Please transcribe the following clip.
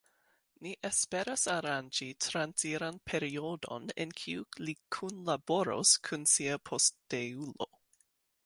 Ni esperas aranĝi transiran periodon en kiu li kunlaboros kun sia posteulo.